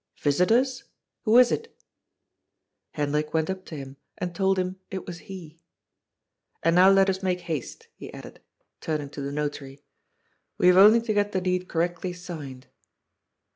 "Visitors? Who is it?" Hendrik went up to him, and told him it was he. "And now let us make haste," he added, turning to the Notary. " We have only to get the deed correctly signed."